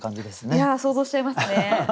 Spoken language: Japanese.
いや想像しちゃいますね。